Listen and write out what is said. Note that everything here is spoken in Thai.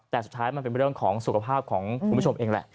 แต่สุดท้ายมันเป็นเรื่องของสุขภาพของคุณผู้ชมเองแหละ